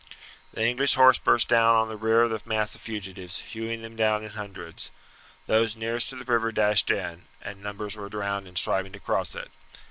The English horse burst down on the rear of the mass of fugitives, hewing them down in hundreds. Those nearest to the river dashed in, and numbers were drowned in striving to cross it.